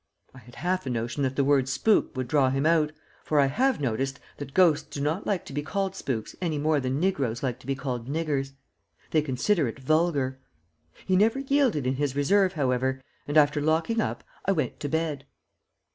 I had half a notion that the word "spook" would draw him out, for I have noticed that ghosts do not like to be called spooks any more than negroes like to be called "niggers." They consider it vulgar. He never yielded in his reserve, however, and after locking up I went to bed.